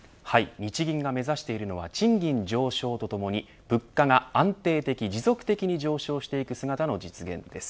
日銀が目指しているのは賃金上昇とともに物価が安定的、持続的に上昇していく姿の実現です。